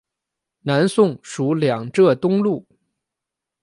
南宋属两浙东路。